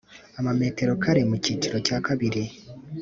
amametero kare mu cyiciro cya kabiri